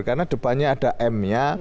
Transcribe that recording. karena depannya ada m nya